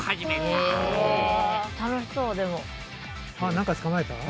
何か捕まえた？